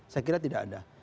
saya kira tidak ada